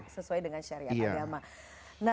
sesuai dengan syariat agama